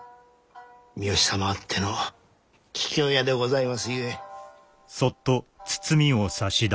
三好様あっての桔梗屋でございますゆえ。